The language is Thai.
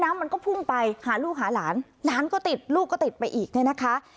น้ำมันก็พุ่งไปหาลูกหาหลานหลานก็ติดลูกก็ติดไปอีกเนี่ยนะคะ